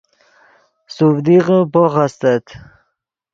سوڤدیغے پوخ استت